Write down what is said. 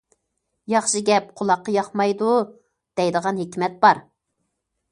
« ياخشى گەپ قۇلاققا ياقمايدۇ» دەيدىغان ھېكمەت بار.